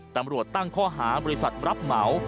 ตำรวจตั้งข้อหาบริษัทรับเหมา